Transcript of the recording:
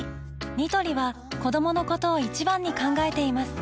ニトリは子どものことを一番に考えています